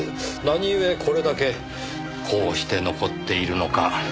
何ゆえこれだけこうして残っているのか。